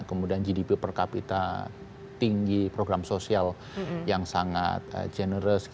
kemudian gdp per kapita tinggi program sosial yang sangat generous